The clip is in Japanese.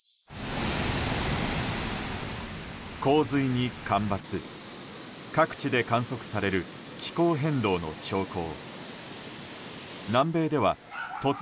洪水に干ばつ、各地で観測される気候変動の兆候。